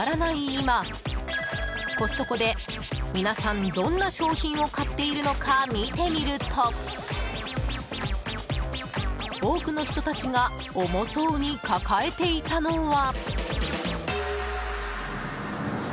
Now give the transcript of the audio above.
今コストコで、皆さんどんな商品を買っているのか見てみると多くの人たちが重そうに抱えていたのは。